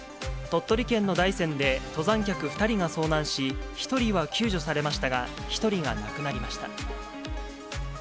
鳥取県の大山で、登山客２人が遭難し、１人は救助されましたが、１人が亡くなりました。